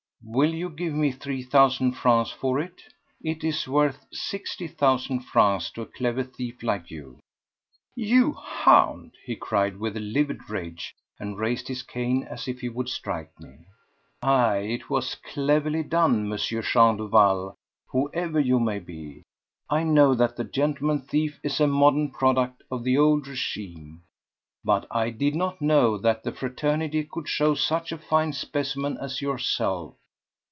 "Will you give me three thousand francs for it? It is worth sixty thousand francs to a clever thief like you." "You hound!" he cried, livid with rage, and raised his cane as if he would strike me. "Aye, it was cleverly done, M. Jean Duval, whoever you may be. I know that the gentleman thief is a modern product of the old regime, but I did not know that the fraternity could show such a fine specimen as yourself.